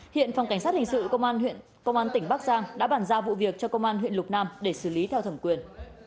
hiện phòng cảnh sát hình sự công an huyện bắc giang đã bản ra vụ việc cho công an huyện lục nam để xử lý theo thẩm quyền